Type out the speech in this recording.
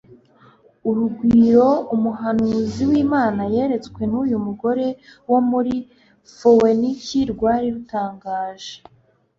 Urugwiro umuhanuzi wImana yeretswe nuyu mugore wo muri Foweniki rwari rutangaje